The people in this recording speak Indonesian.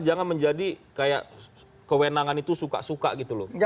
jangan menjadi kayak kewenangan itu suka suka gitu loh